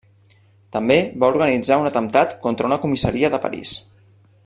També va organitzar un atemptat contra una comissaria de París.